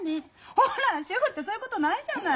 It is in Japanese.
ほら主婦ってそういうことないじゃない。